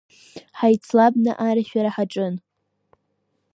Ҳаицлабны арашәара ҳаҿын…